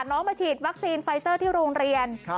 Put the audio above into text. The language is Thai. มาฉีดวัคซีนไฟเซอร์ที่โรงเรียน